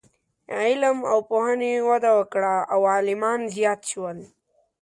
علم او پوهنې وده وکړه او عالمان زیات شول.